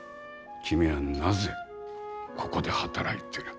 君はなぜここで働いてる。